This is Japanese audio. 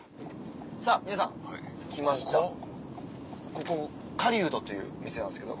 ここ狩人という店なんですけど。